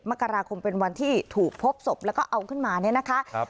มกราคมเป็นวันที่ถูกพบศพแล้วก็เอาขึ้นมาเนี่ยนะคะครับ